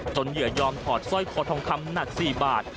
เหยื่อยอมถอดสร้อยคอทองคำหนัก๔บาท